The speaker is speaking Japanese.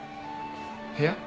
部屋？